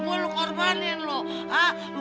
buat lu korbanin lu